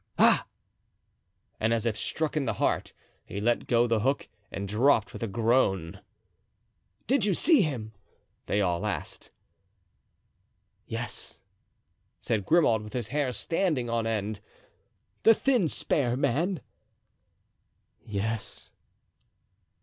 Ah——" And as if struck in the heart he let go the hook and dropped with a groan. "Did you see him?" they all asked. "Yes," said Grimaud, with his hair standing on end. "The thin, spare man?" "Yes."